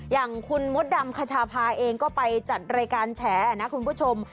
อย่างคุณมดดำคชาพาเองก็ไปจัดรายการแฉนะคุณผู้ชม